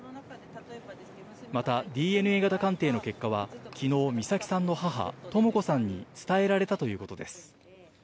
また、ＤＮＡ型鑑定の結果は、きのう、美咲さんの母、とも子さんに伝えられたということです。